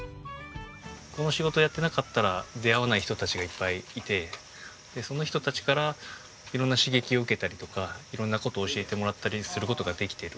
この仕事やっていなかったら出会わない人たちがいっぱいいてその人たちから色んな刺激を受けたりとか色んな事を教えてもらったりする事ができている。